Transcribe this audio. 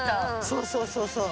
そうそうそうそう。